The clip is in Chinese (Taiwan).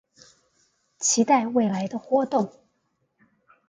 期待未來的活動